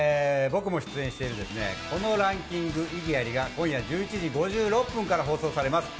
僕も出演している「このランキング異議アリ！」が今夜１１時５６分から放送されます。